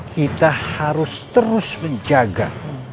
kita harus terus menjaga